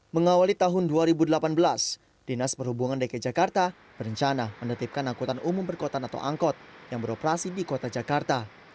mengawali tahun dua ribu delapan belas dinas perhubungan dki jakarta berencana menetipkan angkutan umum perkotaan atau angkot yang beroperasi di kota jakarta